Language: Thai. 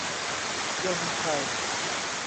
ยงไทย